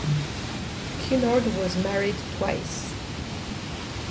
Cunard was married twice.